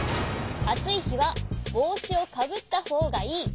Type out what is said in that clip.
「あついひはぼうしをかぶったほうがいい」。